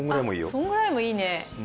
そのぐらいもいいね。